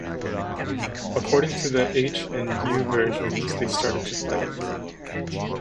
According to the "H" and "U" versions, they started to fight.